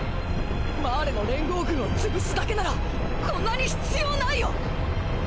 マーレの連合軍を潰すだけならこんなに必要ないよ！！